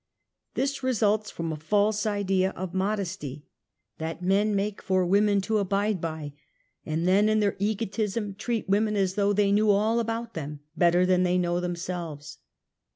This results from a false idea of modesty that men make for women to abide by, and then in their egotism treat women as though they knew all about them, better than they know themselves.